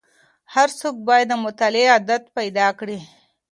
هر څوک باید د مطالعې عادت پیدا کړي.